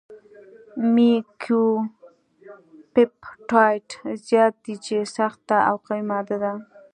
میوکوپپټایډ زیات دی چې سخته او قوي ماده ده.